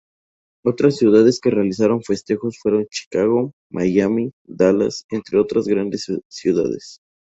Otras ciudades que realizaron festejos fueron Chicago, Miami, Dallas entre otras grandes ciudades.